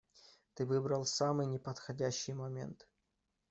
Ты выбрал самый неподходящий момент.